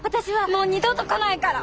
もう二度と来ないから！